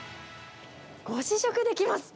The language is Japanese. ご試食できます。